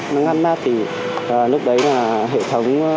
nó ngắt mát thì lúc đấy là hệ thống